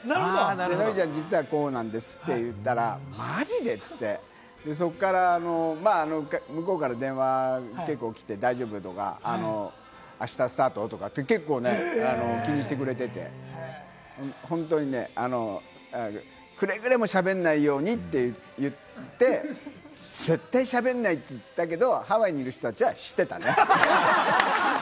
ノリちゃん、実はこうなんですって言ったら、マジで？って言って、そこから、向こうから電話が結構来て、大丈夫？とか、あしたスタートとかって、結構ね、気にしてくれてて、本当にね、くれぐれも喋らないようにって言って、絶対喋らないって言ったけど、ハワイにいる人たちは知ってたね。